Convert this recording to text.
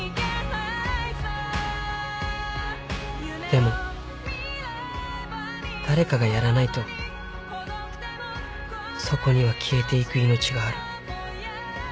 ［でも誰かがやらないとそこには消えていく命がある］